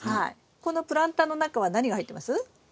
このプランターの中は何が入ってます？